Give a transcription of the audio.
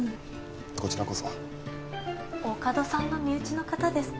こちらこそ大加戸さんの身内の方ですか？